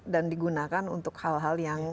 dan digunakan untuk hal hal yang